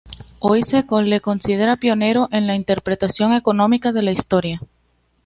Hoy se le considera pionero en la interpretación económica de la Historia.